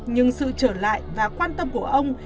nhưng sự trở lại và quan tâm của ông